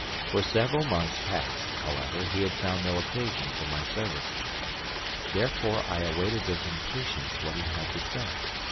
For several months past, however, he had found no occasion for my services. Therefore I awaited with impatience what he had to say.